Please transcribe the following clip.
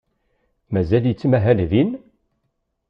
Mazal yettmahal din?